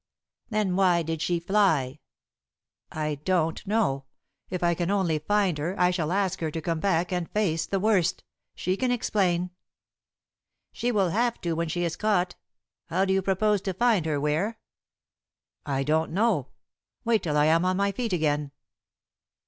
"Then why did she fly?" "I don't know. If I can only find her, I shall ask her to come back and face the worst. She can explain." "She will have to when she is caught. How do you propose to find her, Ware?" "I don't know. Wait till I am on my feet again."